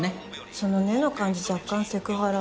その「ねっ」の感じ若干セクハラ。